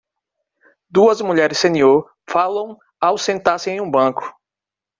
Duas mulheres sênior falam ao sentar-se em um banco.